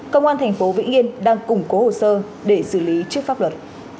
công an thành phố vĩnh yên đang củng cố hồ sơ để xử lý trước pháp luật